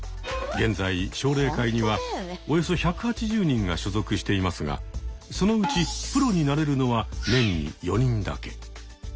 現在奨励会にはおよそ１８０人が所属していますがそのうちプロになれるのは年に４人だけ。